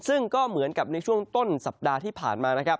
ซึ่งก็เหมือนกับในช่วงต้นสัปดาห์ที่ผ่านมานะครับ